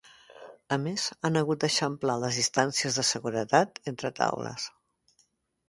A més, han hagut d’eixamplar les distàncies de seguretat entre taules.